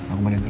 aku mandi dulu